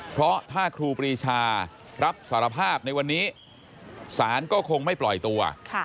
เพราะถ้าครูปรีชารับสารภาพในวันนี้ศาลก็คงไม่ปล่อยตัว